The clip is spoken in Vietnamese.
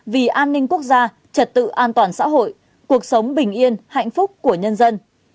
vì an ninh quốc gia trật tự an toàn xã hội cuộc sống bình yên hạnh phúc của nhân dân